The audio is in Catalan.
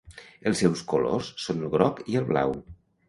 Els seus colors són el groc i el blau.